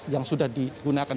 yang sudah digunakan